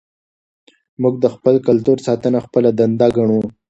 موږ د خپل کلتور ساتنه خپله دنده ګڼو.